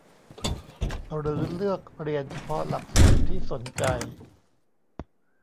หรือเลือกเรียนเฉพาะหลักสูตรที่สนใจ